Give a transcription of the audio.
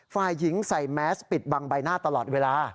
ฝ่ายหญิงใส่แมสปิดบังใบหน้าตลอดเวลา